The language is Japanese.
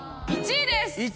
１位です！